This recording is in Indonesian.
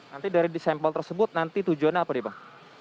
nanti dari sampel tersebut nanti tujuannya apa pak